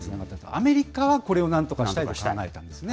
アメリカはこれをなんとかしたいと考えたんですね。